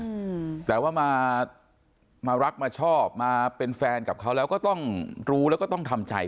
อืมแต่ว่ามามารักมาชอบมาเป็นแฟนกับเขาแล้วก็ต้องรู้แล้วก็ต้องทำใจ